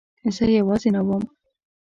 زه یوازې نه وم.